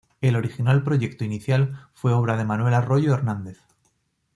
El original proyecto inicial fue obra de Manuel Arroyo Hernández.